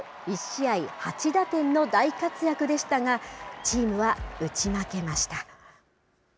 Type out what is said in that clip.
１試合８打点の大活躍でしたが、チームは打ち負けました。